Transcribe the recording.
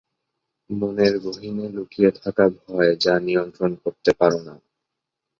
মনের গহীনে লুকিয়ে থাকা ভয় যা নিয়ন্ত্রণ করতে পারো না!